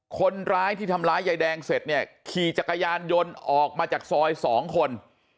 คนร้ายที่ทำร้ายยายแดงเสร็จเนี่ยขี่จักรยานยนต์ออกมาจากซอยสองคน